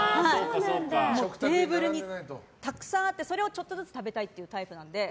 テーブルにたくさんあってそれをちょっとずつ食べたいってタイプなので。